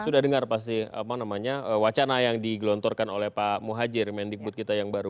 sudah dengar pasti apa namanya wacana yang digelontorkan oleh pak muhajir mendikbud kita yang baru